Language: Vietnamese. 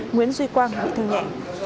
nguyễn duy quang thương nhẹ